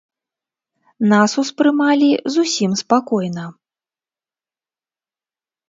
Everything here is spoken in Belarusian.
Нас успрымалі зусім спакойна.